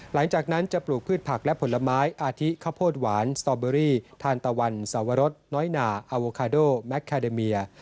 หลังจากนั้นจะปลูกพืชผักและผลไม้อาทิข้าวโพดหวานสตอเบอรี่ทานตะวันสวรสน้อยหนาอาโวคาโดแมคแคเดเมีย